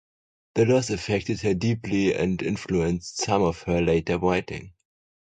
The loss affected her deeply and influenced some of her later writing.